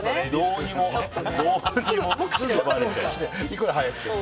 目視で、いくら速くても。